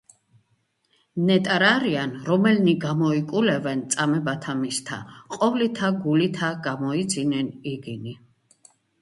ნეტარ არიან, რომელნი გამოიკულევენ წამებათა მისთა, ყოვლითა გულითა გამოიძინენ იგინი.